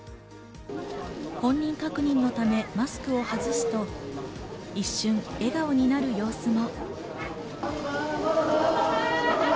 本人確認のためマスクを外すと、一瞬、笑顔になる様子も。